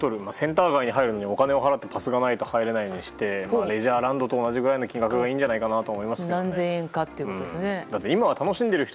センター街に入るのにお金を払ってパスがないと入れないようにして、レジャーランドと同じぐらいの金額がいいんじゃないかと思いますけど。